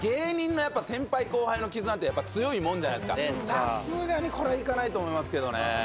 やっぱさすがにこれは行かないと思いますけどね。